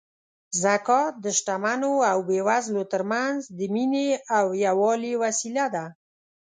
زکات د شتمنو او بېوزلو ترمنځ د مینې او یووالي وسیله ده.